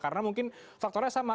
karena mungkin faktornya sama